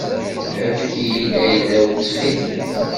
Efk-iyi-d ayla-w ttxil-m.